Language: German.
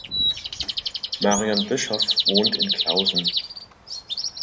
Marion Bischoff wohnt in Clausen.